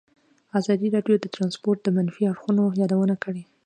ازادي راډیو د ترانسپورټ د منفي اړخونو یادونه کړې.